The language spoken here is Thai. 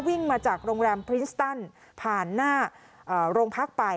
วิ่งมาจากโรงแรมพริสตันผ่านหน้าโรงพักไป